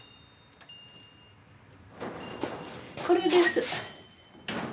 これです。